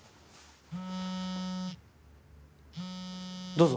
どうぞ。